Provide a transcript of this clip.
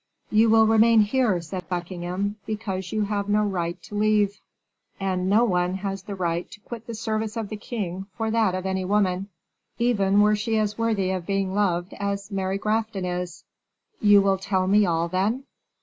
"You will remain here," said Buckingham, "because you have no right to leave; and no one has the right to quit the service of the king for that of any woman, even were she as worthy of being loved as Mary Grafton is." "You will tell me all, then?"